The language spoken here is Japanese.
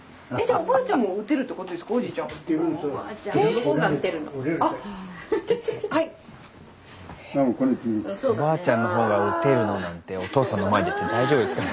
「おばあちゃんの方が打てるの」なんておとうさんの前で言って大丈夫ですかね。